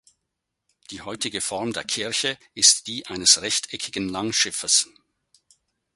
Die heutige Form der Kirche ist die eines rechteckigen Langschiffes.